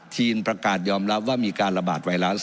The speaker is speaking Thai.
ประกาศยอมรับว่ามีการระบาดไวรัส